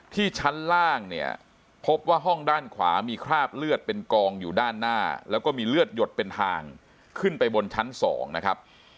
ชั้นล่างเนี่ยพบว่าห้องด้านขวามีคราบเลือดเป็นกองอยู่ด้านหน้าแล้วก็มีเลือดหยดเป็นทางขึ้นไปบนชั้น๒นะครับ